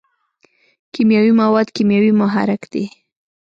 کیمیاوي مواد کیمیاوي محرک دی.